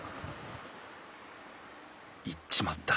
行っちまった。